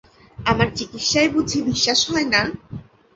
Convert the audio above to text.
আমার চিকিৎসায় বুঝি বিশ্বাস হয় না?